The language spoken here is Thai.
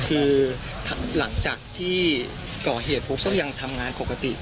คือหลังจากที่ก่อเหตุปุ๊บก็ยังทำงานปกติ